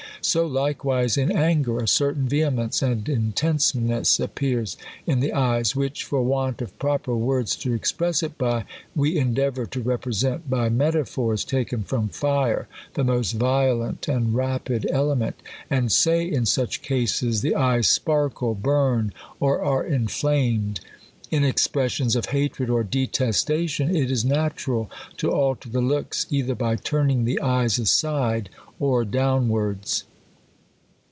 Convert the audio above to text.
So likewise in anger, a certain vehe mence and intenseness appears in the eyes, which, for want of proper words to express it by, we endeavour^ to represent by metaphors taken from fire, the most " violent and rapid element ; and say in such cases, the eyes sparkle, burn, or are inflamed. In expressions of hatred or detestation, it is natural to alter the looks, either by turning the eyes aside, or downwards.